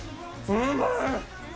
うまい。